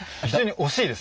惜しいです。